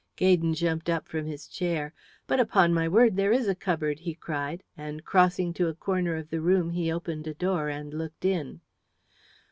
Gaydon jumped up from his chair. "But upon my word there is a cupboard," he cried, and crossing to a corner of the room he opened a door and looked in.